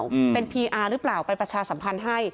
อืมเป็นพีอาร์หรือเปล่าไปประชาสัมพันธ์ให้